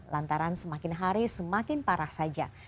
lantaran semakin hari semakin parah saja